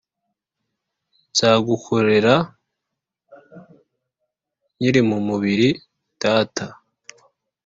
Nzagukorera nkirimumubiri data